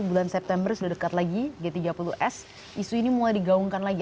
bulan september sudah dekat lagi g tiga puluh s isu ini mulai digaungkan lagi